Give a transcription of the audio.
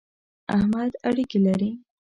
احمد اړېکی لري.